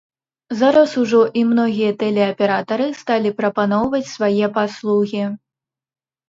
Зараз ужо і многія тэлеаператары сталі прапаноўваць свае паслугі.